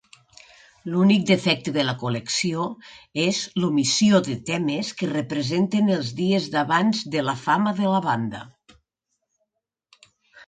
L'únic defecte de la col·lecció és l'omissió de temes que representen els dies d'abans de la fama de la banda.